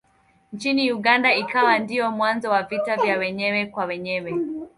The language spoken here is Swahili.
Nchini Uganda ikawa ndiyo mwanzo wa vita vya wenyewe kwa wenyewe.